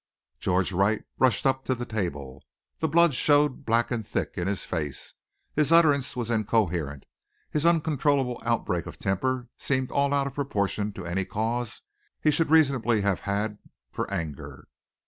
George Wright rushed up to the table. The blood showed black and thick in his face; his utterance was incoherent, his uncontrollable outbreak of temper seemed out of all proportion to any cause he should reasonably have had for anger.